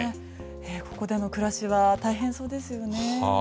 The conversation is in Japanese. ここでの暮らしは大変そうですよね。